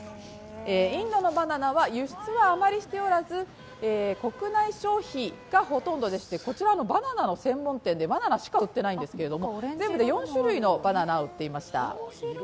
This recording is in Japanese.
インドのバナナは輸出もあまりしておらず国内消費がほとんどでしてこちらはバナナの専門店でバナナしか売っていないんですけれども、全部で４種類のバナナを売っていました。